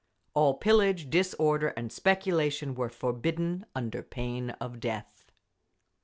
All pillage, disorder and speculation were forbidden under pain of death.